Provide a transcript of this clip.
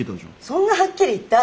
そんなはっきり言った？